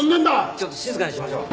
ちょっと静かにしましょう。